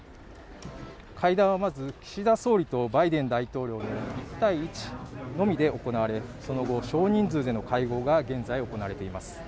会談はまず岸田総理とバイデン大統領の１対１のみで行われその後少人数での会合が現在行われています